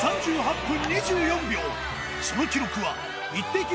その記録はイッテＱ！